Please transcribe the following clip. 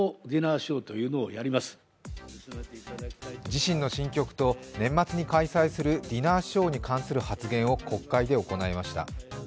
自身の新曲と年末に開催するディナーショーに関する発言を国会で行いました。